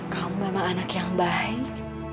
kau memang anak yang baik